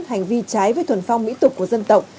hành vi trái với thuần phong mỹ tục của dân tộc